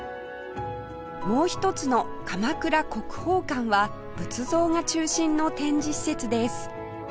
もう一つの鎌倉国宝館は仏像が中心の展示施設です